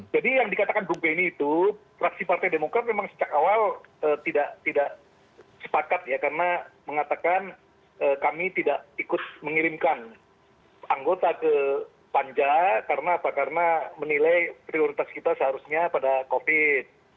jadi yang dikatakan bung beni itu fraksi partai demokrat memang sejak awal tidak sepakat karena mengatakan kami tidak ikut mengirimkan anggota ke panja karena menilai prioritas kita seharusnya pada covid